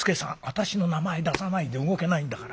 「私の名前出さないで動けないんだから。